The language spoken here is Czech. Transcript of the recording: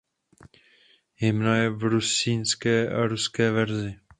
Hymna je v rusínské a ruské verzi.